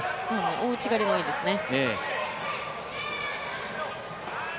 大内刈りもいいですね。